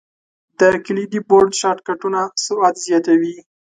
د کلیدي بورډ شارټ کټونه سرعت زیاتوي.